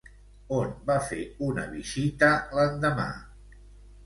On va a fer una visita l'endemà?